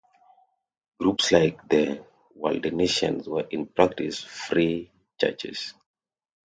Groups like the Waldensians were in practice free churches.